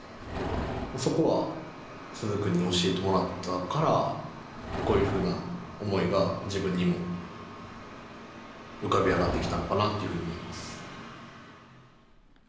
そこは鈴くんに教えてもらったからこういうふうな思いが自分にも浮かび上がってきたのかなっていうふうに思います。